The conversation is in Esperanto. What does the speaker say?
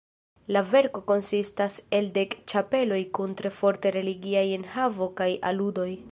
La verko konsistas el dek ĉapeloj kun tre forte religiaj enhavo kaj aludoj.